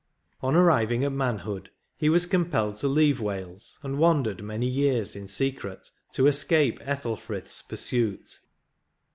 On ar riving at manhood he was compelled to leave Wales, and wandered many years in secret to escape Ethelfrith's pursuit.